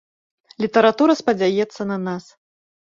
Літаратура спадзяецца на нас.